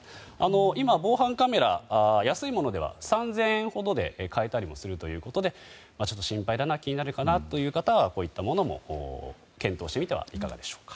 今、防犯カメラは安いものでは３０００円ほどで買えたりするということでちょっと心配だな気になるかなという方はこういったものも検討してみてはいかがでしょうか。